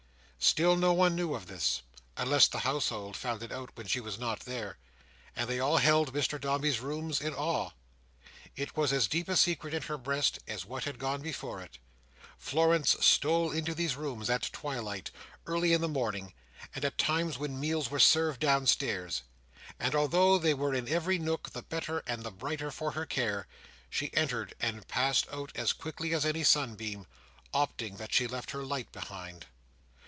Still no one knew of this. Unless the household found it out when she was not there—and they all held Mr Dombey's rooms in awe—it was as deep a secret in her breast as what had gone before it. Florence stole into those rooms at twilight, early in the morning, and at times when meals were served downstairs. And although they were in every nook the better and the brighter for her care, she entered and passed out as quietly as any sunbeam, opting that she left her light behind.